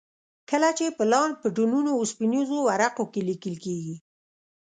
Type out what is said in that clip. کله چې پلان په ټنونو اوسپنیزو ورقو کې لیکل کېږي.